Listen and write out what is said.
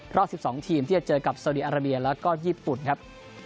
รอบ๑๒ทีมที่จะเจอกับสาวดีอาราเบียแล้วก็ญี่ปุ่นครับ